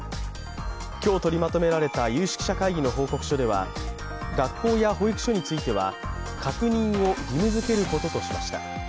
今日取りまとめられた有識者会議の報告書では学校や保育所については確認を義務づけることとしました。